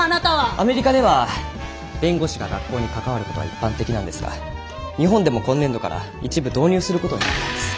アメリカでは弁護士が学校に関わる事は一般的なんですが日本でも今年度から一部導入する事になったんです。